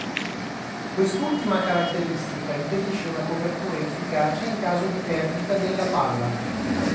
Quest'ultima caratteristica impedisce una copertura efficace in caso di perdita della palla.